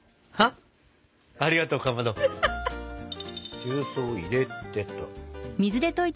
重曹入れてと。